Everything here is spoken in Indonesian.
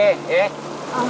alhamdulillah kalau memang ada